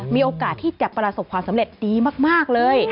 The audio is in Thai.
มีโอกาสที่จะประสบความสำเร็จดีมากเลย